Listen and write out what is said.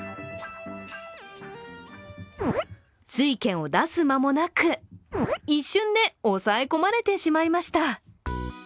酔拳を出す間もなく一瞬で抑え込まれてしまいました。